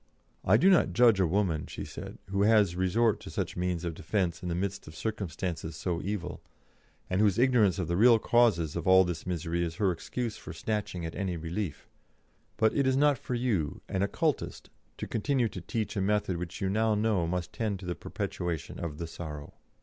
"I do not judge a woman," she said, "who has resort to such means of defence in the midst of circumstances so evil, and whose ignorance of the real causes of all this misery is her excuse for snatching at any relief. But it is not for you, an Occultist, to continue to teach a method which you now know must tend to the perpetuation of the sorrow."